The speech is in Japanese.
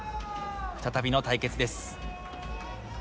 再びの対決です。